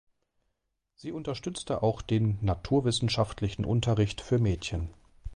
Sie unterstützte auch den naturwissenschaftlichen Unterricht für Mädchen.